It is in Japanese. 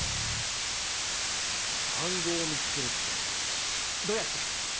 暗号を見つけるってどうやって？